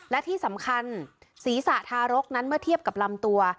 และที่สำคัญศีรษะทารกนั้นเมื่อเทียบกับลำตัว